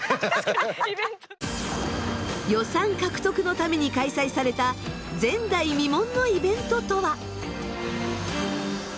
予算獲得のために開催された前代未聞のイベントとは？